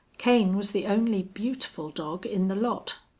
Kane was the only beautiful dog in the lot.